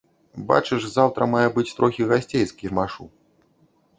Бачыш, заўтра мае быць трохі гасцей з кірмашу.